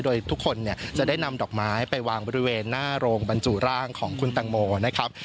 โดยทุกคนเนี่ยจะได้นำดอกไม้ไปวางบริเวณหน้าโรงบรรจุร่างของคุณตังโมนะครับ